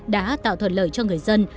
đã tạo thuận lợi cho người dân